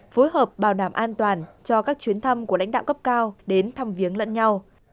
phối hợp bảo đảm an toàn cho các chuyến thăm của lãnh đạo cấp cao đến thăm viếng lẫn nhau